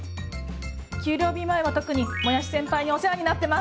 給料日前は特にもやし先輩にお世話になってます！